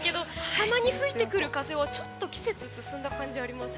たまに吹いてくる風はちょっと季節が進んだ感じがありません？